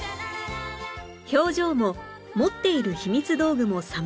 表情も持っているひみつ道具も様々